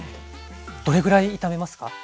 どれぐらい炒めますか？